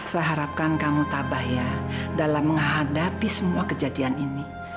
saya harapkan kamu tabah ya dalam menghadapi semua kejadian ini